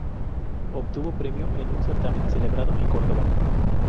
Obtuvo premio en un certamen celebrado en Córdoba.